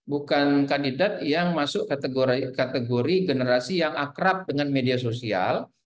bukan kandidat yang masuk kategori generasi yang akrab dengan media sosial